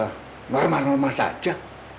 itu memang benar saja